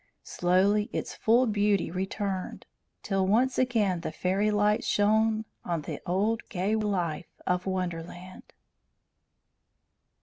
Slowly its full beauty returned, till once again the fairy lights shone on the old gay life of wonderland.